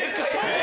え！